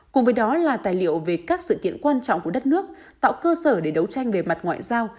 cùng với đó là tài liệu về các sự kiện quan trọng của đất nước tạo cơ sở để đấu tranh về mặt ngoại giao